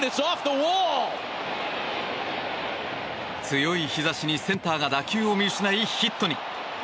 強い日差しに、センターが打球を見失いヒットに。